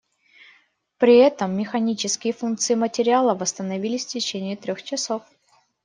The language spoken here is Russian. При этом механические функции материала восстановились в течение трёх часов.